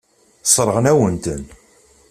Sseṛɣen-awen-ten.